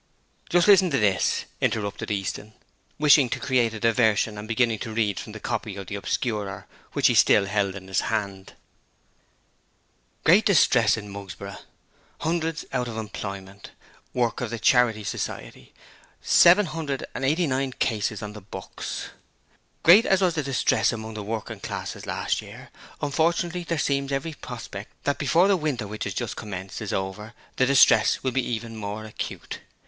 'Just listen to this,' interrupted Easton, wishing to create a diversion and beginning to read from the copy of the Obscurer which he still held in his hand: 'GREAT DISTRESS IN MUGSBOROUGH. HUNDREDS OUT OF EMPLOYMENT. WORK OF THE CHARITY SOCIETY. 789 CASES ON THE BOOKS. 'Great as was the distress among the working classes last year, unfortunately there seems every prospect that before the winter which has just commenced is over the distress will be even more acute.